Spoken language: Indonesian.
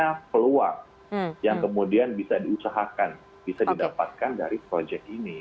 ada peluang yang kemudian bisa diusahakan bisa didapatkan dari proyek ini